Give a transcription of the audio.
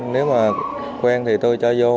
nếu mà quen thì tôi cho vô